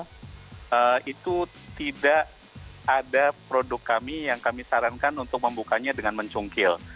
karena itu tidak ada produk kami yang kami sarankan untuk membukanya dengan mencungkil